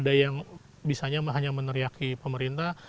banyak yang ada yang bisanya hanya meneriaki pemerintah